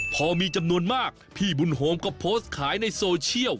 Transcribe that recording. พอมีจำนวนมากพี่บุญโฮมก็โพสต์ขายในโซเชียล